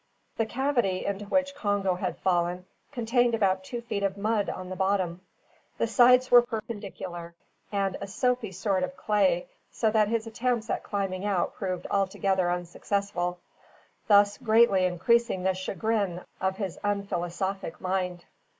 The cavity into which Congo had fallen contained about two feet of mud on the bottom. The sides were perpendicular, and of a soapy sort of clay, so that his attempts at climbing out proved altogether unsuccessful, thus greatly increasing the chagrin of his unphilosophic mind.